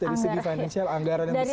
dari segi financial anggaran yang besar